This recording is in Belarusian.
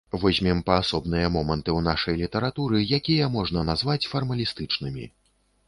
Возьмем паасобныя моманты ў нашай літаратуры, якія можна назваць фармалістычнымі.